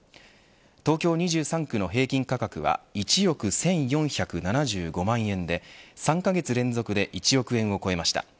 東京２３区の平均価格は１億１４７５万円で３カ月連続で１億円を超えました。